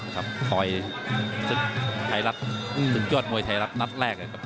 ครับคอยศึกยอดมวยไทยรัฐนัดแรก